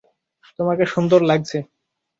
তোমাকে সুন্দর লাগছে।